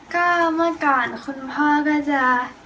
ก็เมื่อก่อนคุณพ่อก็จะ